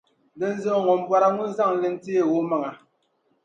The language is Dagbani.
Dinzuɣu, ŋun bɔra ŋun zaŋ li n-teei o maŋa.